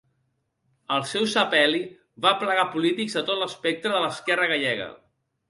El seu sepeli va aplegar polítics de tot l'espectre de l'esquerra gallega.